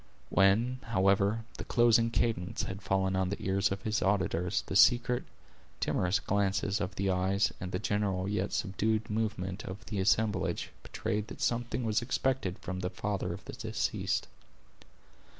When, however, the closing cadence had fallen on the ears of his auditors, the secret, timorous glances of the eyes, and the general and yet subdued movement of the assemblage, betrayed that something was expected from the father of the deceased.